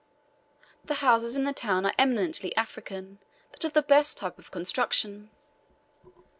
The houses in the town are eminently African, but of the best type of construction.